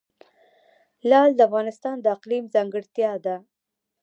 لعل د افغانستان د اقلیم ځانګړتیا ده.